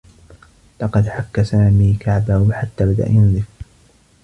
لقد حكّ سامي كعبه حتّى بدأ ينزف.